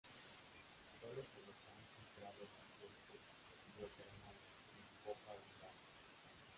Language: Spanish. Sólo se los ha encontrado en ambientes hidrotermales y en poca abundancia.